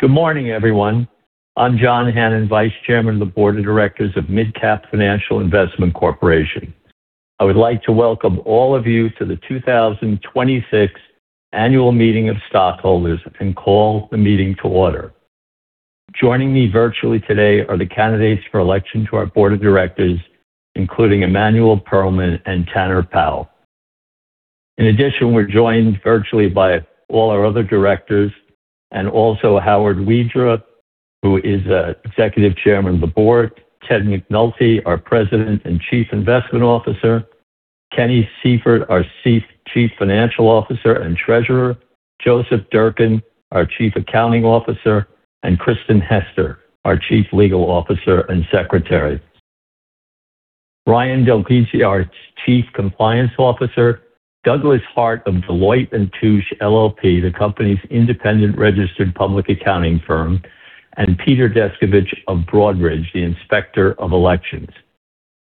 Good morning, everyone. I'm John Hannan, Vice-Chairman of the Board of Directors of MidCap Financial Investment Corporation. I would like to welcome all of you to the 2026 Annual Meeting of Stockholders and call the meeting to order. Joining me virtually today are the candidates for election to our Board of Directors, including Emanuel Pearlman and Tanner Powell. In addition, we're joined virtually by all our other directors and also Howard Widra, who is Executive Chairman of the Board, Ted McNulty, our President and Chief Investment Officer, Kenny Seifert, our Chief Financial Officer and Treasurer, Joseph Durkin, our Chief Accounting Officer, and Kristin Hester, our Chief Legal Officer and Secretary. Ryan Del Giudice, our Chief Compliance Officer, Douglas Hart of Deloitte & Touche LLP, the company's independent registered public accounting firm, and Peter Descovich of Broadridge, the Inspector of Elections.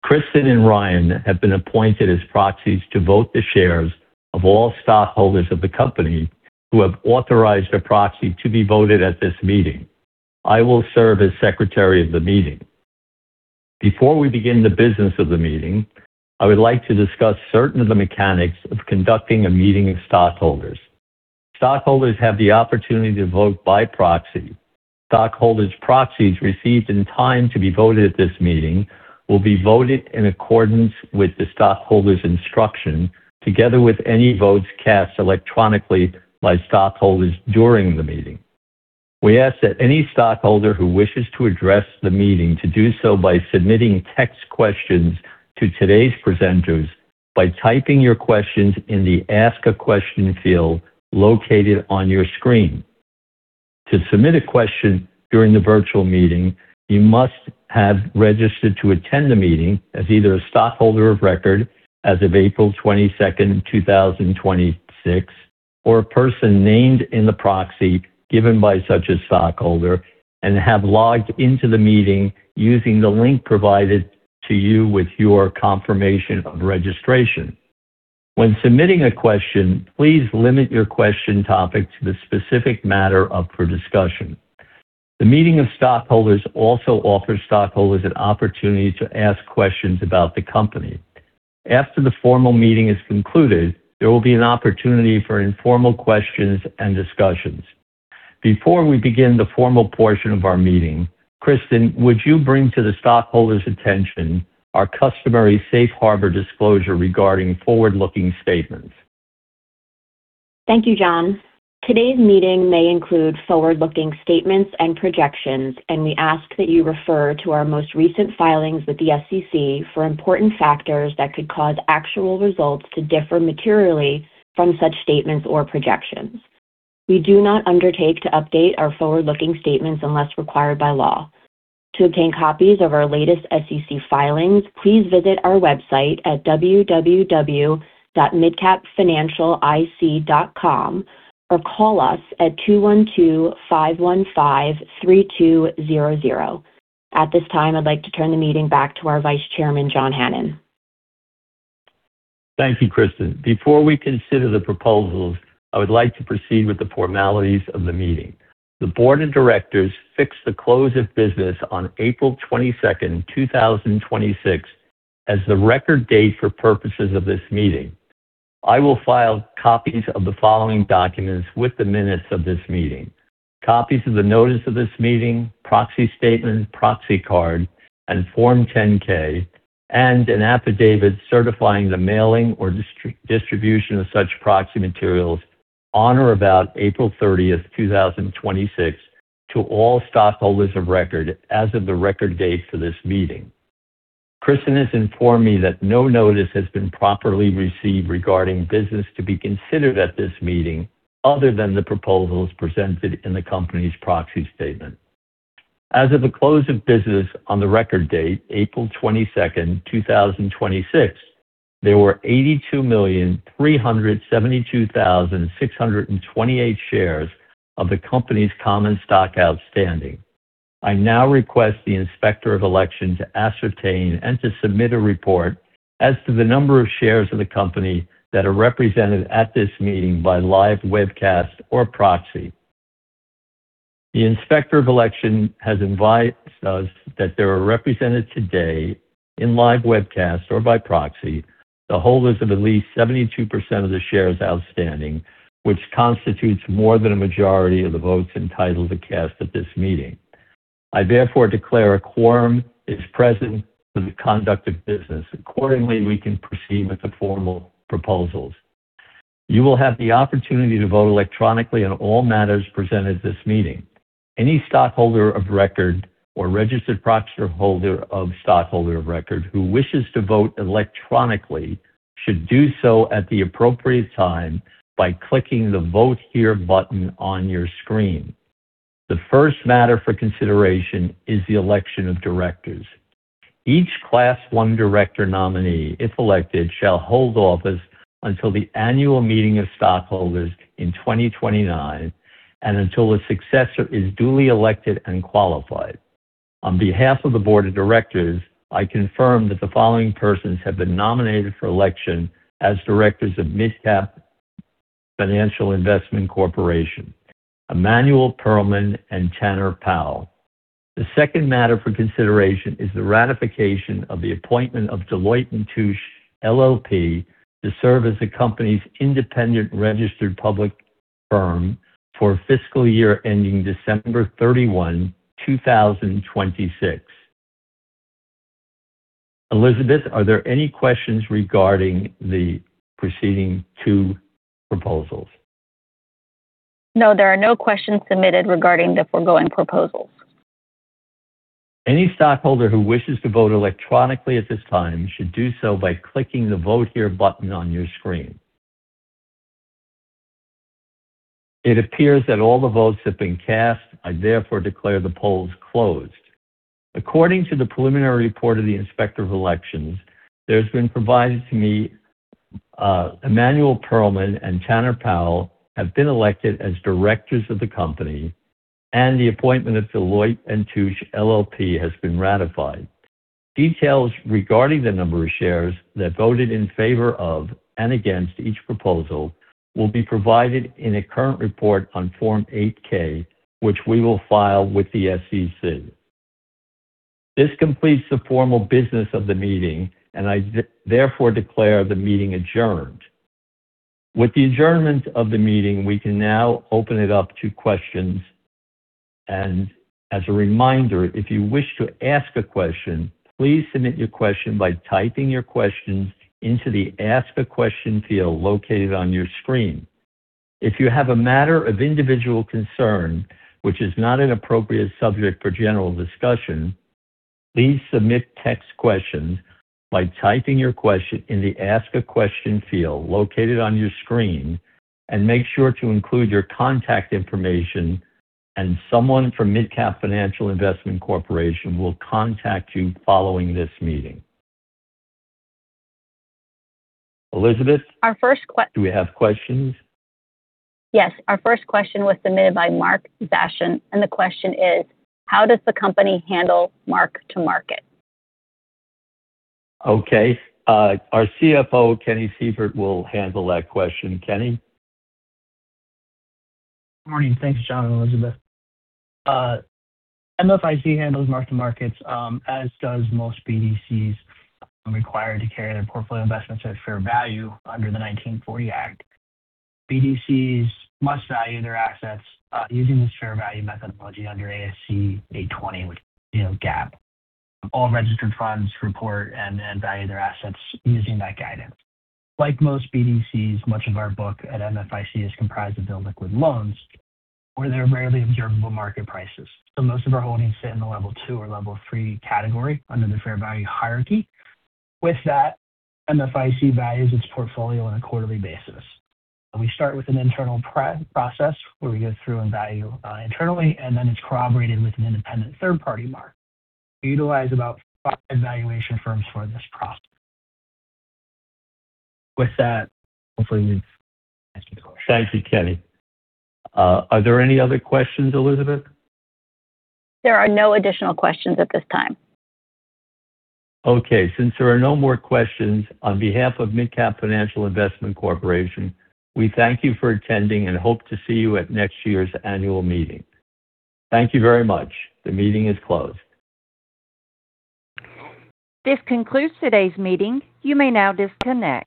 Kristin and Ryan have been appointed as proxies to vote the shares of all stockholders of the company who have authorized a proxy to be voted at this meeting. I will serve as secretary of the meeting. Before we begin the business of the meeting, I would like to discuss certain of the mechanics of conducting a meeting of stockholders. Stockholders have the opportunity to vote by proxy. Stockholders' proxies received in time to be voted at this meeting will be voted in accordance with the stockholder's instruction, together with any votes cast electronically by stockholders during the meeting. We ask that any stockholder who wishes to address the meeting to do so by submitting text questions to today's presenters by typing your questions in the Ask A Question field located on your screen. To submit a question during the virtual meeting, you must have registered to attend the meeting as either a stockholder of record as of April 22nd, 2026, or a person named in the proxy given by such a stockholder and have logged into the meeting using the link provided to you with your confirmation of registration. When submitting a question, please limit your question topic to the specific matter up for discussion. The meeting of stockholders also offers stockholders an opportunity to ask questions about the company. After the formal meeting is concluded, there will be an opportunity for informal questions and discussions. Before we begin the formal portion of our meeting, Kristin, would you bring to the stockholders' attention our customary safe harbor disclosure regarding forward-looking statements? Thank you, John. Today's meeting may include forward-looking statements and projections. We ask that you refer to our most recent filings with the SEC for important factors that could cause actual results to differ materially from such statements or projections. We do not undertake to update our forward-looking statements unless required by law. To obtain copies of our latest SEC filings, please visit our website at www.midcapfinancialic.com or call us at 212-515-3200. At this time, I'd like to turn the meeting back to our Vice-Chairman, John Hannan. Thank you, Kristin. Before we consider the proposals, I would like to proceed with the formalities of the meeting. The Board of Directors fixed the close of business on April 22nd, 2026, as the record date for purposes of this meeting. I will file copies of the following documents with the minutes of this meeting. Copies of the notice of this meeting, proxy statement, proxy card, and Form 10-K, and an affidavit certifying the mailing or distribution of such proxy materials on or about April 30th, 2026, to all stockholders of record as of the record date for this meeting. Kristin has informed me that no notice has been properly received regarding business to be considered at this meeting, other than the proposals presented in the company's proxy statement. As of the close of business on the record date, April 22nd, 2026, there were 82,372,628 shares of the company's common stock outstanding. I now request the Inspector of Elections to ascertain and to submit a report as to the number of shares of the company that are represented at this meeting by live webcast or proxy. The Inspector of Elections has advised us that there are represented today in live webcast or by proxy, the holders of at least 72% of the shares outstanding, which constitutes more than a majority of the votes entitled to cast at this meeting. I therefore declare a quorum is present for the conduct of business. Accordingly, we can proceed with the formal proposals. You will have the opportunity to vote electronically on all matters presented at this meeting. Any stockholder of record or registered proxyholder of stockholder of record who wishes to vote electronically should do so at the appropriate time by clicking the Vote Here button on your screen. The first matter for consideration is the election of directors. Each Class I director nominee, if elected, shall hold office until the annual meeting of stockholders in 2029 and until a successor is duly elected and qualified. On behalf of the Board of Directors, I confirm that the following persons have been nominated for election as directors of MidCap Financial Investment Corporation, Emanuel Pearlman and Tanner Powell. The second matter for consideration is the ratification of the appointment of Deloitte & Touche LLP to serve as the company's independent registered public firm for fiscal year ending December 31, 2026. Elizabeth, are there any questions regarding the proceeding two proposals? No, there are no questions submitted regarding the foregoing proposals. Any stockholder who wishes to vote electronically at this time should do so by clicking the Vote Here button on your screen. It appears that all the votes have been cast. I therefore declare the polls closed. According to the preliminary report of the Inspector of Elections that has been provided to me, Emanuel Pearlman and Tanner Powell have been elected as directors of the company, and the appointment of Deloitte & Touche LLP has been ratified. Details regarding the number of shares that voted in favor of and against each proposal will be provided in a current report on Form 8-K, which we will file with the SEC. This completes the formal business of the meeting, and I therefore declare the meeting adjourned. With the adjournment of the meeting, we can now open it up to questions. As a reminder, if you wish to ask a question, please submit your question by typing your question into the Ask a Question field located on your screen. If you have a matter of individual concern, which is not an appropriate subject for general discussion, please submit text questions by typing your question in the Ask a Question field located on your screen, and make sure to include your contact information, and someone from MidCap Financial Investment Corporation will contact you following this meeting. Elizabeth. Our first Do we have questions? Yes. Our first question was submitted by Mark Zashin, the question is, "How does the company handle mark-to-market? Okay. Our CFO, Kenny Seifert, will handle that question. Kenny? Morning. Thanks, John and Elizabeth. MFIC handles mark-to-markets, as does most BDCs required to carry their portfolio investments at fair value under the 1940 Act. BDCs must value their assets using this fair value methodology under ASC 820, which is GAAP. All registered funds report and value their assets using that guidance. Like most BDCs, much of our book at MFIC is comprised of illiquid loans where there are rarely observable market prices. Most of our holdings sit in the Level 2 or Level 3 category under the fair value hierarchy. With that, MFIC values its portfolio on a quarterly basis. We start with an internal process where we go through and value internally, and then it's corroborated with an independent third-party mark. We utilize about five valuation firms for this process. With that, hopefully we've answered the question. Thank you, Kenny. Are there any other questions, Elizabeth? There are no additional questions at this time. Okay, since there are no more questions, on behalf of MidCap Financial Investment Corporation, we thank you for attending and hope to see you at next year's annual meeting. Thank you very much. The meeting is closed. This concludes today's meeting. You may now disconnect.